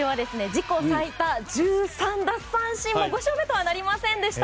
今週は自己最多１３奪三振も５勝目とはなりませんでした。